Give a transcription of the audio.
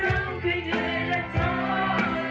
ลองที่ผ่าน